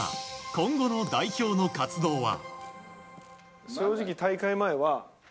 今後の代表の活動は。